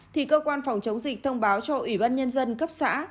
thì cơ quan phòng chống dịch thông báo cho ủy ban nhân dân cấp xã